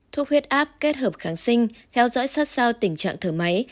thuốc huyết áp kết hợp kháng sinh theo dõi sát sao tình trạng thở máy